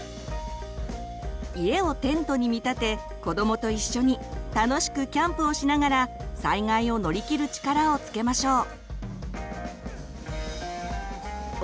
家をテントに見立て子どもと一緒に楽しくキャンプをしながら災害を乗り切る力をつけましょう。